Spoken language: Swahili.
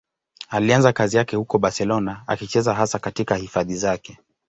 Alianza kazi yake huko Barcelona, akicheza hasa katika hifadhi zake.